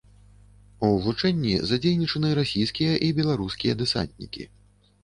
У вучэнні задзейнічаны расійскія і беларускія дэсантнікі.